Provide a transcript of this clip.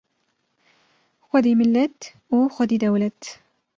Xwedî millet û xwedî dewlet